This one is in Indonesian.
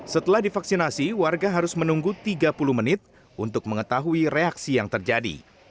setelah divaksinasi warga harus menunggu tiga puluh menit untuk mengetahui reaksi yang terjadi